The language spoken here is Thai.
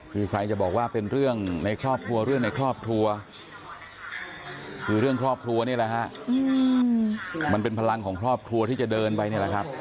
คือใครจะบอกว่าเป็นเรื่องในครอบครัวเรื่องในครอบครัวคือเรื่องครอบครัวนี่แหละฮะมันเป็นพลังของครอบครัวที่จะเดินไปนี่แหละครับ